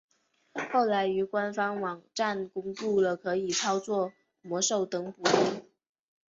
后来于官方网站公布了可以操作魔兽等补丁。